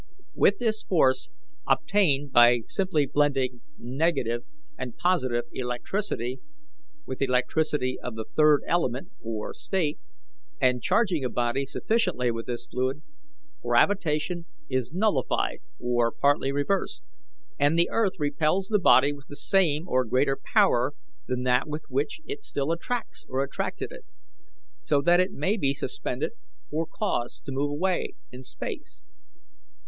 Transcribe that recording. With this force, obtained by simply blending negative and positive electricity with electricity of the third element or state, and charging a body sufficiently with this fluid, gravitation is nullified or partly reversed, and the earth repels the body with the same or greater power than that with which it still attracts or attracted it, so that it may be suspended or caused to move away into space.